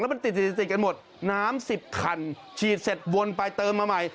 มันติดติดกันหมดน้ำ๑๐คันฉีดเสร็จวนไปเติมมาใหม่